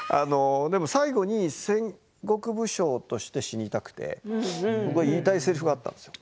最後に戦国武将として死にたくて僕は言いたいせりふがあったんですよ。